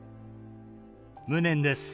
無念です。